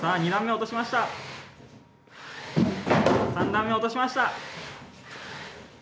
３段目落としました。